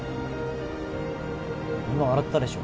今笑ったでしょ？